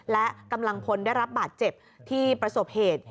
และกำลังพลได้รับบาดเจ็บที่ประสบเหตุ